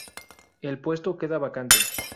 El puesto queda vacante.